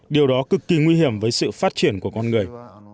điều đó cực kỳ nguy hiểm với sự phát triển của con người